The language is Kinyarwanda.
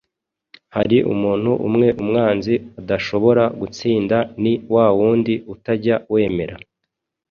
Hari umuntu umwe umwanzi adashobora gutsinda ni wa wundi utajya wemera